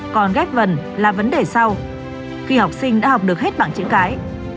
còn ghép vần là vấn đề sau khi học sinh đã học được hết bằng chữ cái